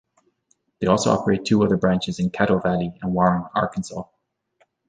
They also operate two other branches in Caddo Valley and Warren, Arkansas.